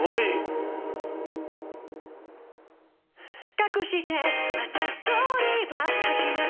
「かくしてまたストーリーは始まる」